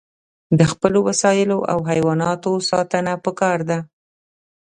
د خپلو وسایلو او حیواناتو ساتنه پکار ده.